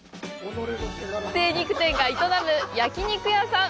精肉店が営む焼き肉屋さん。